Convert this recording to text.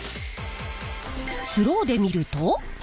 スローで見ると。